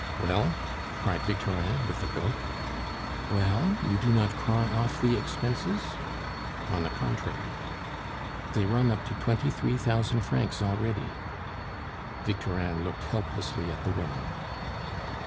"Well?" cried Victorin, with a gulp. "Well, you do not cry off the expenses?" "On the contrary." "They run up to twenty three thousand francs already." Victorin looked helplessly at the woman.